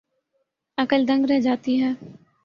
عقل دنگ رہ جاتی ہے۔